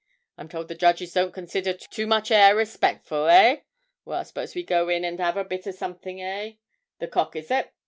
I'm told the judges don't consider too much 'air respectful, hey? Well, s'pose we go in and have a bit of something, eh? The "Cock" is it?